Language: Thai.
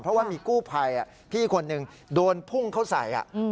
เพราะว่ามีกู้ภัยพี่คนหนึ่งโดนพุ่งเข้าใส่